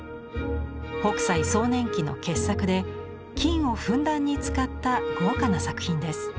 北斎壮年期の傑作で金をふんだんに使った豪華な作品です。